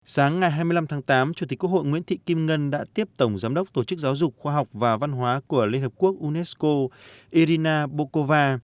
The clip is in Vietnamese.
sáng ngày hai mươi năm tháng tám chủ tịch quốc hội nguyễn thị kim ngân đã tiếp tổng giám đốc tổ chức giáo dục khoa học và văn hóa của liên hợp quốc unesco irina bokova